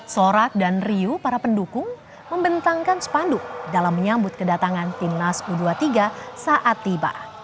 sorak dan riu para pendukung membentangkan sepanduk dalam menyambut kedatangan timnas u dua puluh tiga saat tiba